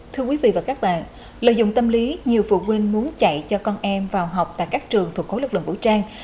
thưa quý vị và các bạn lợi dụng tâm lý nhiều phụ huynh muốn chạy cho con em vào học tại các trường thuộc cố lực lượng vũ trang